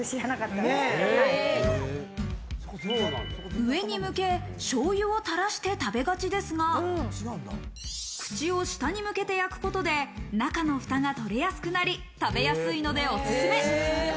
上に向け、しょうゆをたらして食べがちですが、口を下に向けて焼くことで中の蓋が取れやすくなり食べやすいのでおすすめ。